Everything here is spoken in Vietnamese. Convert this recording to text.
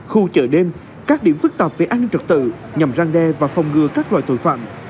khu chợ đêm các điểm phức tạp về an ninh trật tự nhằm răng đe và phòng ngừa các loại tội phạm